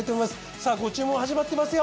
さあご注文始まってますよ！